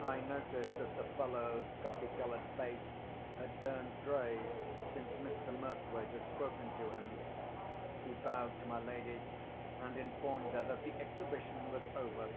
I noticed that the fellow's coffee coloured face had turned grey since Mr. Murthwaite had spoken to him. He bowed to my lady, and informed her that the exhibition was over.